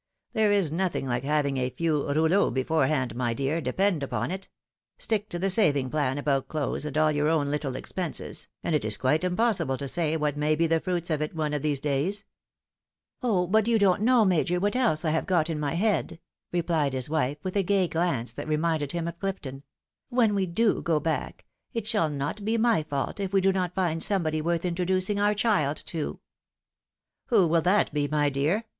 There is nothing like having a few rouleaux beforehand, my dear, depend upon it — stick to the saving plan about clothes and all your own little expenses, and it is quite impossible to say what may be the fruits of it one of these days." " Oh ! but you don't know, Major, what else I have got in my head," replied his wife, with a gay glance that reminded birn of Chfton ;" when we do go back, it shall not be my fault if we do not find somebody worth introducing our child to." b2 20 THE WIDOW MAIEIED. " Who will that be, my dear